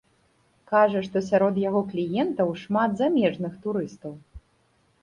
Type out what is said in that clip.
Кажа, што сярод яго кліентаў шмат замежных турыстаў.